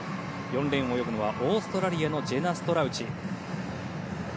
４レーンを泳ぐのはオーストラリアのジェナ・ストラウチ。